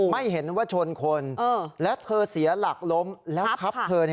ไม่เห็นว่าชนคนและเธอเสียหลักล้มแล้วทับเธอ